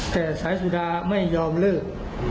แต่สายสุดาไม่ยอมเลิก